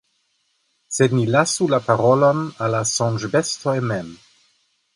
Sed ni lasu la parolon al la Sonĝbestoj mem.